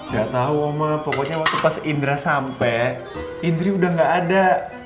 gak tau oma pokoknya waktu pas indra sampai indri udah gak ada